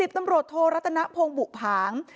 ๑๐ตำรวจโทษรัตนพงษ์บุผาง